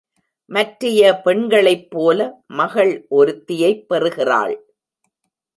மற்றைய பெண்களைப் போல மகள் ஒருத்தியைப் பெறுகிறாள்.